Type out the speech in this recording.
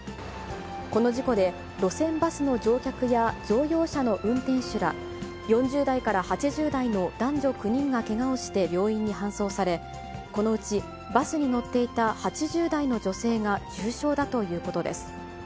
この事故で、路線バスの乗客や乗用車の運転手ら４０代から８０代の男女９人がけがをして病院に搬送され、このうち、バスに乗っていた８０代の女性が重傷だということです。